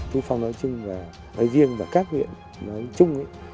trung phòng nói chung nói riêng và các huyện nói chung